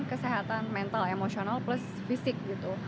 kesehatan mental emosional plus fisik gitu